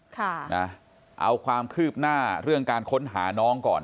ค่ะนะเอาความคืบหน้าเรื่องการค้นหาน้องก่อน